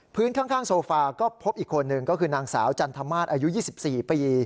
ข้างโซฟาก็พบอีกคนหนึ่งก็คือนางสาวจันทมาสอายุ๒๔ปี